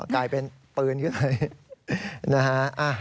กลายเป็นปืนขึ้นไปนะฮะ